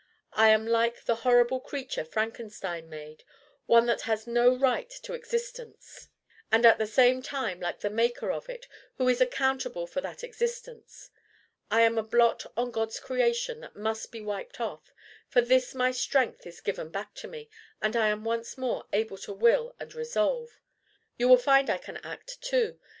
I am like the horrible creature Frankenstein made one that has no right to existence and at the same time like the maker of it, who is accountable for that existence. I am a blot on God's creation that must be wiped off. For this my strength is given back to me, and I am once more able to will and resolve. You will find I can act too.